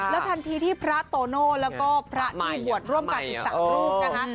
และทันทีที่พระโตโนและพระนี่บวชร่วมกันอีก๓ลูก